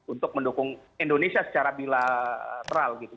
untuk mendukung indonesia secara bilateral gitu